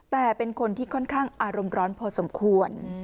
แต่เป็นคนที่ค่อนข้างอารมณ์ร้อนพอสมควร